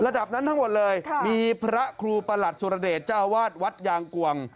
ระดับนั้นทั้งหมดเลยมีพระครูประหลัดสุรเดชเจ้าวาดวัดยางกวง